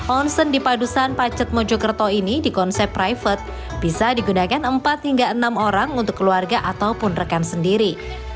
onsen di padusan pacet mojokerto ini di konsep private bisa digunakan empat hingga enam orang untuk keluarga ataupun rekan sendiri